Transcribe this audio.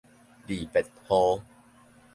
離別雨